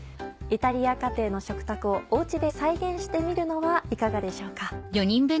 イタリア家庭の食卓をお家で再現してみるのはいかがでしょうか。